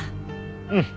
うん。